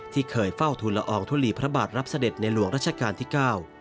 ที่เคยเฝ้าทุนละอองทุลีพระบาทรับเสด็จในหลวงรัชกาลที่๙